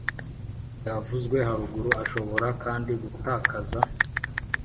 ryavuzwe haruguru Ashobora kandi gutakaza